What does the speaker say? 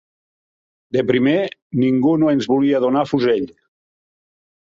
De primer, ningú no ens volia donar fusell.